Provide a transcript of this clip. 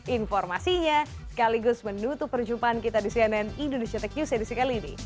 informasinya sekaligus menutup perjumpaan kita di cnn indonesia tech news edisi kali ini